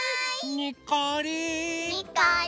にっこり。